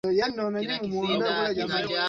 Yeye amekuwa akipiga picha kwa miaka mingi sana